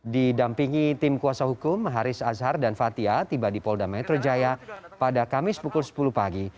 didampingi tim kuasa hukum haris azhar dan fathia tiba di polda metro jaya pada kamis pukul sepuluh pagi